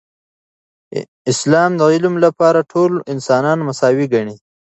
اسلام د علم لپاره ټول انسانان مساوي ګڼي.